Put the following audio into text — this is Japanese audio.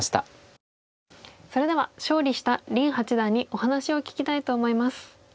それでは勝利した林八段にお話を聞きたいと思います。